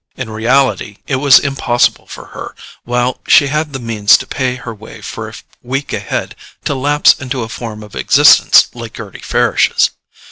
In reality, it was impossible for her, while she had the means to pay her way for a week ahead, to lapse into a form of existence like Gerty Farish's.